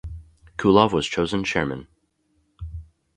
Kulov was chosen Chairman.